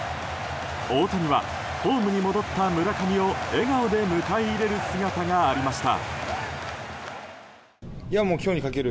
大谷はホームに戻った村上を笑顔で迎え入れる姿がありました。